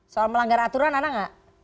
soal melanggar aturan ada nggak